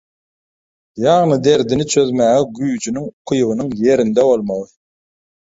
Ýagny derdiňi çözmäge güýjiniň, ukybynyň ýerinde bolmagy.